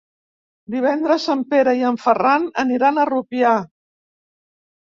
Divendres en Pere i en Ferran aniran a Rupià.